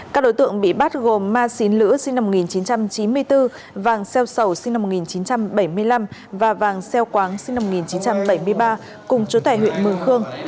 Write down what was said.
các đối tượng bị bắt gồm ma xín lữ sinh năm một nghìn chín trăm chín mươi bốn vàng xeo sầu sinh năm một nghìn chín trăm bảy mươi năm và vàng xeo quáng sinh năm một nghìn chín trăm bảy mươi ba cùng chú tài huyện mường khương